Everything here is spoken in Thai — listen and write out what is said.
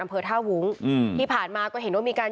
อำเภอท่าวุ้งอืมที่ผ่านมาก็เห็นว่ามีการ